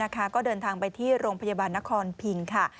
ก็เดินทางไปที่โรงพยาบาลนครพิงค่ะ